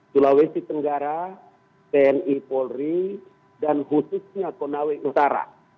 sulawesi tenggara tni polri dan khususnya konawe utara